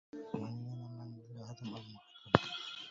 من ينم عن لهذم أو مخذم